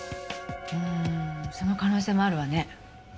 うーんその可能性もあるわね。